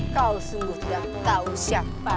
kau sungguh tidak tahu siapa